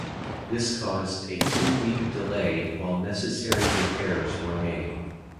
This caused a two-week delay while necessary repairs were made.